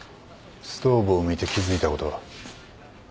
ストーブを見て気付いたことは？